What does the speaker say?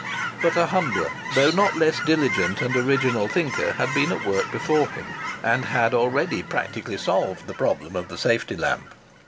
But a humbler though not less diligent and original thinker had been at work before him, and had already practically solved the problem of the Safety Lamp.